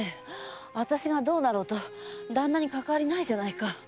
あたしがどうなろうと旦那にかかわりないじゃないか。